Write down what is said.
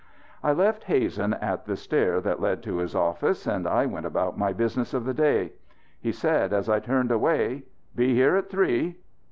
I left Hazen at the stair that led to his office and I went about my business of the day. He said as I turned away: "Be here at three."